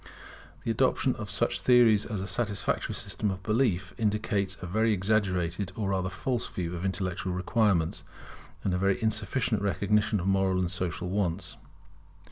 The adoption of such theories as a satisfactory system of belief, indicates a very exaggerated or rather false view of intellectual requirements, and a very insufficient recognition of moral and social wants.